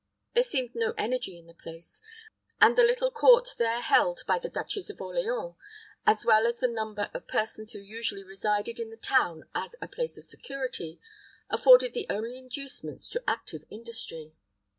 There seemed no energy in the place; and the little court there held by the Duchess of Orleans, as well as the number of persons who usually resided in the town as a place of security, afforded the only inducements to active industry.